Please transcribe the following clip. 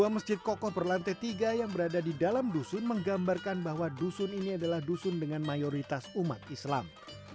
dan masjid kokoh berlantai tiga yang berada di dalam dusun menggambarkan bahwa dusun ini adalah dusun dengan mayoritas umat islam